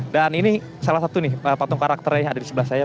dan ini salah satu nih patung karakternya yang ada di sebelah saya